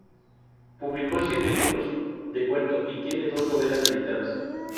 Publicó siete libros de cuento y tiene dos novelas editadas.